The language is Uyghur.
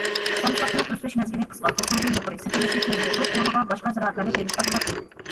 سامساقنىڭ ئۆسۈش مەزگىلى قىسقا، ھوسۇلى يۇقىرى، سېتىلىشى تېز بولۇپ، ئورنىغا باشقا زىرائەتلەرنى تېرىشقا بولاتتى.